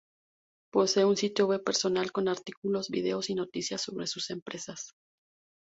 Posee un sitio web personal con artículos, videos y noticias sobre sus empresas.